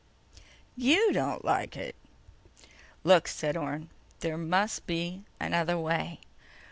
"YOU don't like it!" "Look," said Orne. "There must be another way.